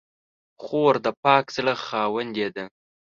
خور د پاک زړه خاوندې ده.